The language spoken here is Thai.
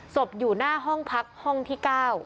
อยู่หน้าห้องพักห้องที่๙